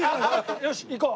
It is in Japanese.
よし行こう。